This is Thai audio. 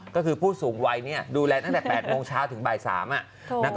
ก็คือผู้สูงไวด์เนี่ยดูแลตั้งแต่๘โมงเช้าถึงปาก๓น่ะ